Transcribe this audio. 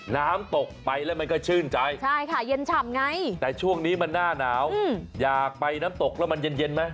น้ำตกไปแล้วมันก็ชื่นใจแต่ช่วงนี้มันน่าหนาวอยากไปน้ำตกแล้วมันเย็นไหม